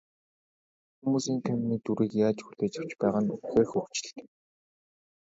Хүмүүс энэ киноны дүрийг яаж хүлээж авч байгаа нь үнэхээр хөгжилтэй.